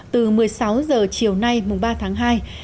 từ một mươi sáu đồng